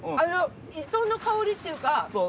磯の香りっていうか。